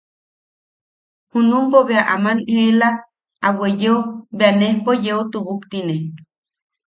Junumpo bea aman eela a weyeo bea nejpo yeu tubuktine.